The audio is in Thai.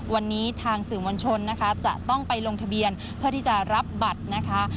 วันนี้ทางสื่อมวลชนนะคะจะต้องไปลงทะเบียนเพื่อที่จะรับบัตรนะคะ